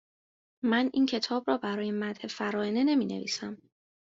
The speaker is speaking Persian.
من این کتاب را برای مدح فراعنه نمی نویسم